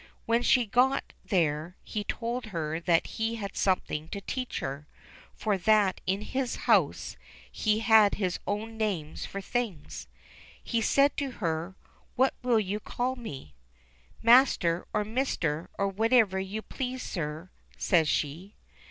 When she got there, he told her that he had something to teach her, for that in his house he had his own names for things. He said to her, *'What will you call me ?" "Master or mister, or whatever you please, sir," says she.